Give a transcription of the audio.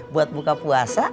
buat muka puasa